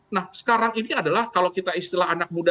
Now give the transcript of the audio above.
nah sekarang ini adalah kalau kita istilah anak muda